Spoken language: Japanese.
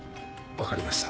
分かりました。